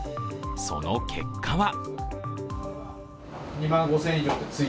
その結果は？